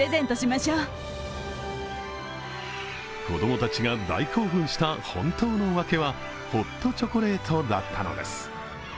子供たちが大興奮した本当のわけはホットチョコレートだったのです。